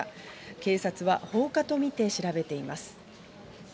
警察は放火と見て調べています。